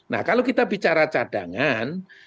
nah kalau kita bicara cadangan